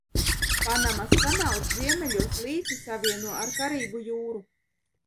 Panamas kanāls ziemeļos līci savieno ar Karību jūru.